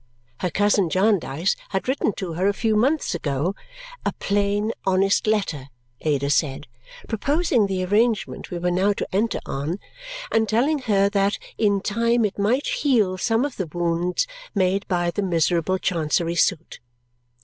Her cousin Jarndyce had written to her a few months ago "a plain, honest letter," Ada said proposing the arrangement we were now to enter on and telling her that "in time it might heal some of the wounds made by the miserable Chancery suit."